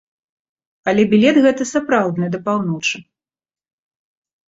Але білет гэты сапраўдны да паўночы.